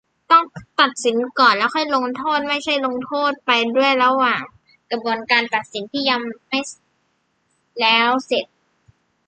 ต้องตัดสินก่อน แล้วค่อยลงโทษ - ไม่ใช่ลงโทษไปด้วยระหว่างกระบวนการตัดสินที่ยังไม่แล้วเสร็จ